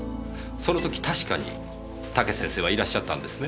その時確かに武先生はいらっしゃったんですね？